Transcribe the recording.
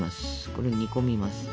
これを煮込みます。